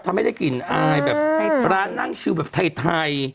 ทำให้ได้กลิ่นอายแบบร้านนั่งชิวแบบไทย